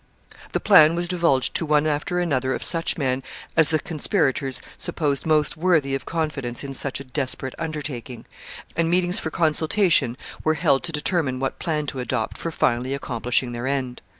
] The plan was divulged to one after another of such men as the conspirators supposed most worthy of confidence in such a desperate undertaking, and meetings for consultation were held to determine what plan to adopt for finally accomplishing their end.